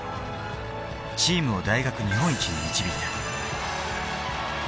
チームを大学日本一に導いた。